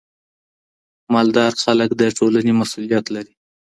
مالدار خلګ د ټولني مسؤلیت لري.